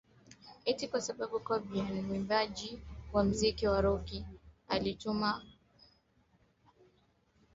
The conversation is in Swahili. eti kwa sababu Cobain mwimbaji wa muziki wa roki alitumia heroini